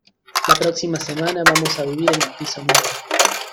La próxima semana vamos a vivir en el piso nuevo.